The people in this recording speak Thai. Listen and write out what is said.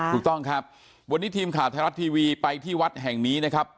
ถูกต้องครับวันนี้ทีมข่าวไทยรัฐทีวีไปที่วัดแห่งนี้นะครับ